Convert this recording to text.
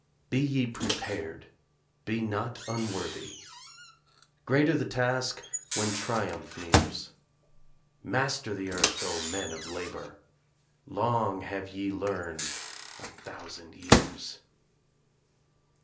Be ye prepared, be not unworthy, Greater the task when triumph nears. Master the earth, O men of labor; Long have ye learned a thousand years.